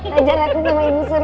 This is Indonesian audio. raja dan ratu sama ibu suruh